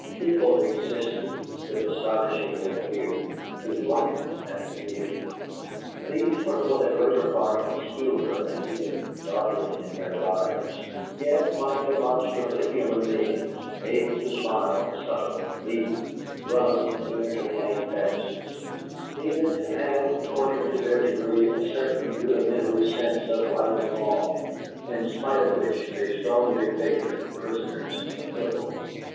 People existed, it astonishingly appeared, who LIKED Happy Fear. These were for the greater part obscure and even darkling in their lives, yet quite demonstrably human beings, able to smile, suffer, leap, run, and to entertain fancies; even to have, according to their degree, a certain rudimentary sense of right and wrong, in spite of which they strongly favored the prisoner's acquittal.